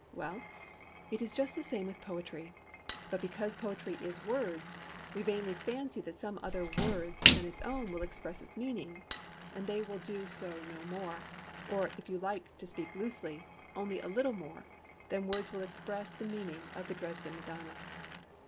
Well, it is just the same with poetry. But because poetry is words, we vainly fancy that some other words than its own will express its meaning. And they will do so no more—or, if you like to speak loosely, only a little more—than words will express the meaning of the Dresden Madonna.